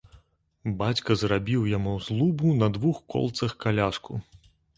Бацька зрабіў яму з лубу на двух колцах каляску.